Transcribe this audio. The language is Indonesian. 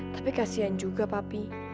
tapi kasihan juga papi